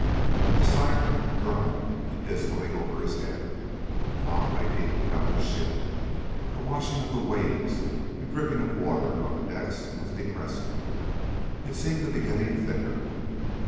The siren droned dismally over his head. Fog lay deep about the ship. The washing of the waves and dripping of water on the decks was depressing. It seemed to be getting thicker.